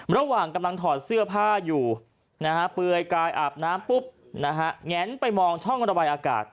ระหว่างกำลังถอดเสื้อผ้าอยู่เปลือยกายอาบน้ำปุ๊บแงนไปมองช่องระบายอากาศ